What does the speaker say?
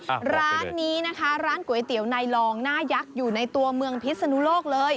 ร้านนี้นะคะร้านก๋วยเตี๋ยวในลองหน้ายักษ์อยู่ในตัวเมืองพิศนุโลกเลย